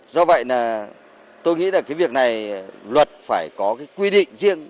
do vậy tôi nghĩ là cái việc này luật phải có quy định riêng